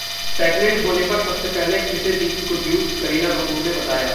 pregnant होने पर सबसे पहले किसे दी थी गुड न्यूज, करीना कपूर ने बताया